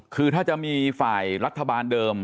คือถ้าจะมีฝ่ายรัฐบาลเดิม